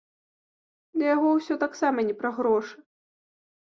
Для яго ўсё таксама не пра грошы.